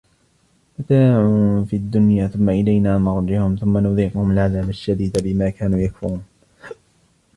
متاع في الدنيا ثم إلينا مرجعهم ثم نذيقهم العذاب الشديد بما كانوا يكفرون